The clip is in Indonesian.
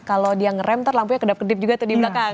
kalau dia ngerem ntar lampunya kedap kedip juga tuh di belakang